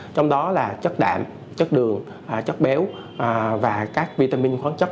trong đó là chất đạm chất đường chất béo và các vitamin khoáng chất